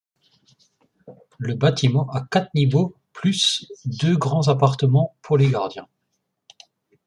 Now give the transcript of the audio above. Le bâtiment a quatre niveaux, plus deux grands appartements pour les gardiens.